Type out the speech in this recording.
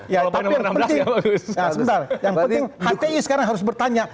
yang penting hti sekarang harus bertanya